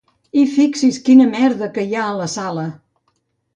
I fixi's quina merda que hi ha a la sala!